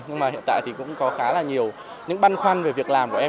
nhưng mà hiện tại thì cũng có khá là nhiều những băn khoăn về việc làm của em